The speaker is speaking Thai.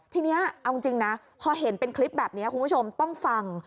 ทีนี้เอาจริงนะพอเห็นเป็นคลิปแบบนี้คุณผู้ชมต้องฟัง